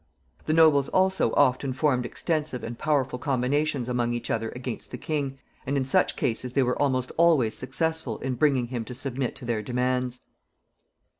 The nobles also often formed extensive and powerful combinations among each other against the king, and in such cases they were almost always successful in bringing him to submit to their demands.